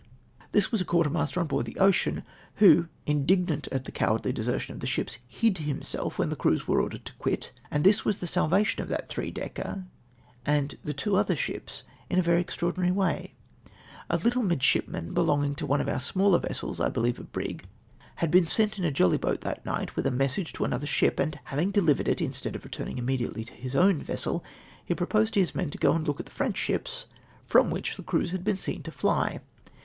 This Avas a quarter A MIDSHIPMAN NEAR TAKING THE FLAG SHIP. 49 • master on board the Ocean, who, indignant at the cowardly desertion of the ships, Jud Jtimself, when the crews were ordered to qnit, and this was the salvation of that three decker and the two other ships, in a very extraordinary way, A little midshipman belonging to one of our smaller vessels (I believe a brig) had been sent in a jollj^ boat that night with a message to another ship, and having delivered it, instead of returning immediately to his own vessel, he proposed to his men to go and look at the French ships from which the crews had been seen to fly.